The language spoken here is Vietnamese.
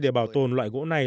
để bảo tồn loại gỗ này